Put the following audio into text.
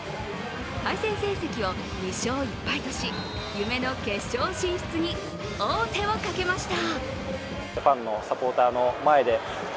対戦成績を２勝１敗とし夢の決勝進出に王手をかけました。